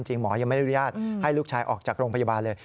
หมอยังไม่ได้อนุญาตให้ลูกชายออกจากโรงพยาบาลเลย